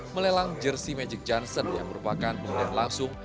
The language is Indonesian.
melelang jersi magic johnson yang merupakan pemilihan langsung